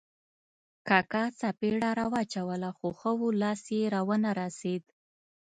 کاکا څپېړه را واچوله خو ښه وو، لاس یې را و نه رسېد.